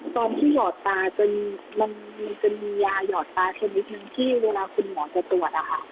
ตอนที่หยอดตามันมียาหยอดตาแค่นิดนึงที่เวลาคุณหมอจะตรวจ